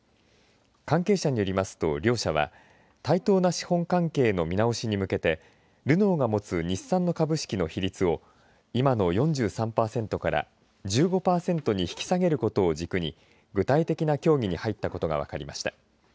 関係者によりますと両社は対等な資本関係の見直しに向けてルノーが持つ日産の株式の比率を今の４３パーセントから１５パーセントに引き下げることを軸に具体的な協議に入ったことが分かりました。